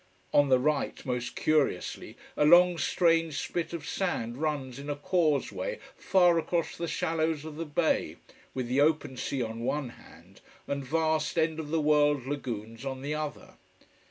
On the right, most curiously, a long strange spit of sand runs in a causeway far across the shallows of the bay, with the open sea on one hand, and vast, end of the world lagoons on the other.